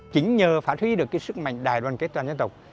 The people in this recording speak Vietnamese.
chính nhờ phát huy được sức mạnh đài đoàn kết toàn dân tộc